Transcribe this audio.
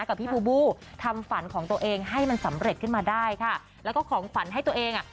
กับพี่บูบูทำฝันของตัวเองให้มันสำเร็จขึ้นมาได้ค่ะแล้วก็ของขวัญให้ตัวเองอ่ะ